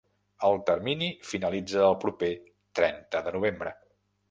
El termini finalitza el proper trenta de novembre.